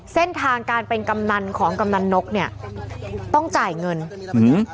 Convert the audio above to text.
เส้นทางการเป็นกำนันของกำนันนกเนี้ยต้องจ่ายเงินอืม